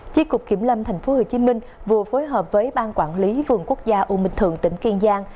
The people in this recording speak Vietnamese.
chiếc cục kiểm lâm thành phố hồ chí minh vừa phối hợp với ban quản lý vườn quốc gia u minh thượng tỉnh kiên giang